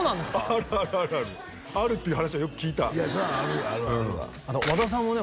あるあるあるあるあるっていう話はよく聞いたそりゃあるあるあるわ和田さんもね